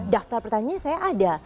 daftar pertanyaan saya ada